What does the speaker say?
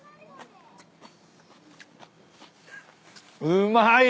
うまい。